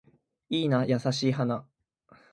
いいな優しい花